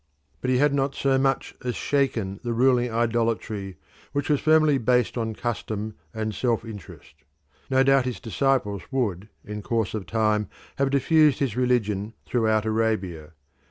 But he had not so much as shaken the ruling idolatry, which was firmly based on custom and self interest. No doubt his disciples would in course of time have diffused his religion throughout Arabia.